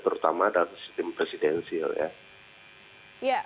terutama dalam sistem presidensial